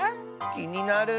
きになる。